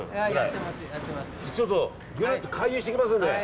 ちょっと回遊してきますので。